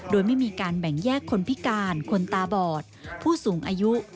โดยไม่มีการแบ่งแยกคนพิการคนตาบอดผู้สูงอายุ